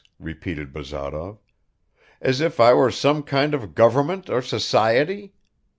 repeated Bazarov. "As if I were some kind of government or society!